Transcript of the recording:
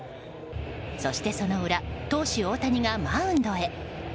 そして、その裏。投手・大谷がマウンドへ。